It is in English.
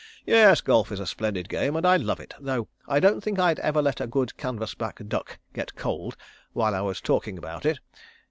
"Yes, golf is a splendid game and I love it, though I don't think I'd ever let a good canvasback duck get cold while I was talking about it.